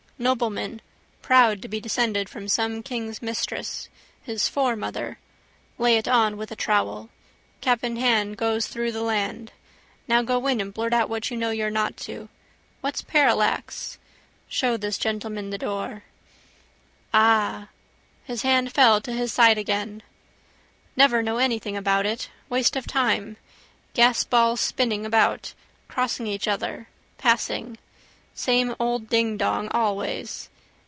Nobleman proud to be descended from some king's mistress. His foremother. Lay it on with a trowel. Cap in hand goes through the land. Not go in and blurt out what you know you're not to: what's parallax? Show this gentleman the door. Ah. His hand fell to his side again. Never know anything about it. Waste of time. Gasballs spinning about, crossing each other, passing. Same old dingdong always.